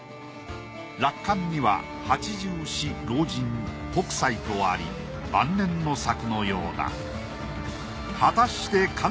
落款には八十四老人北斎とあり晩年の作のようだ